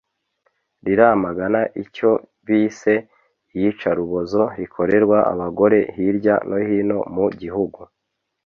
riramagana icyo bise ‘iyicarubozo’ rikorerwa abagore hirya no hino mu gihugu